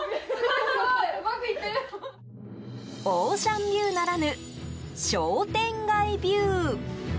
オーシャンビューならぬ商店街ビュー。